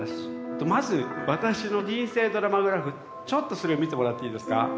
まず私の人生ドラマグラフちょっとそれを見てもらっていいですか？